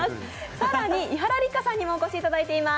更に伊原六花さんにもお越しいただいています。